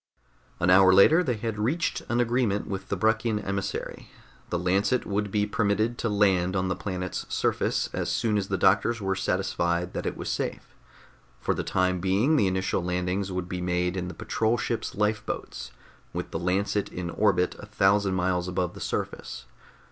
An hour later they had reached an agreement with the Bruckian emissary. The Lancet would be permitted to land on the planet's surface as soon as the doctors were satisfied that it was safe. For the time being the initial landings would be made in the patrol ship's lifeboats, with the Lancet in orbit a thousand miles above the surface.